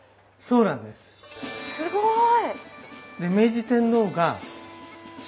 すごい！